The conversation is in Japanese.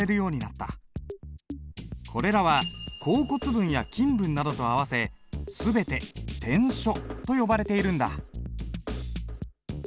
これらは甲骨文や金文などと合わせ全て篆書と呼ばれているんだ。